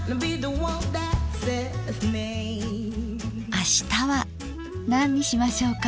あしたは何にしましょうか？